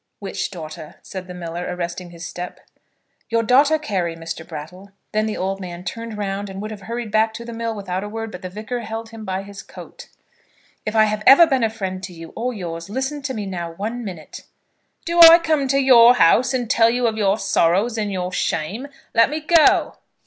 "Which daughter?" said the miller, arresting his step. "Your daughter Carry, Mr. Brattle." Then the old man turned round and would have hurried back to the mill without a word; but the Vicar held him by his coat. "If I have ever been a friend to you or yours listen to me now one minute." "Do I come to your house and tell you of your sorrows and your shame? Let me go!"